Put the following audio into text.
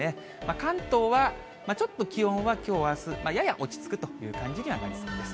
関東はちょっと気温はきょう、あす、やや落ち着くという感じにはなりそうです。